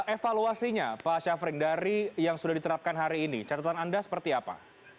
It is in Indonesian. evaluasinya pak syafrin dari yang sudah diterapkan hari ini catatan anda seperti apa